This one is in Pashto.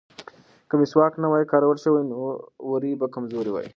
که مسواک نه وای کارول شوی نو وورۍ به کمزورې وې.